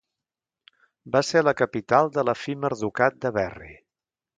Va ser la capital de l'efímer ducat de Berry.